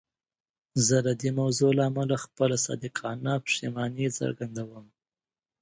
زه د دې موضوع له امله خپله صادقانه پښیماني څرګندوم.